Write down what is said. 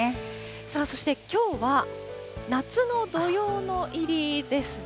そしてきょうは、夏の土用の入りですね。